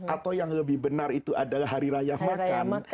atau yang lebih benar itu adalah hari raya makan